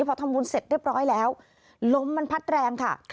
พอทำบุญเสร็จเรียบร้อยแล้วลมมันพัดแรงค่ะ